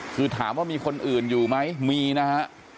คือถามว่ามีคนอื่นอยู่ไหมมีนะฮะ